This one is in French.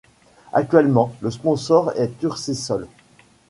Actuellement, le sponsor est Urcisol.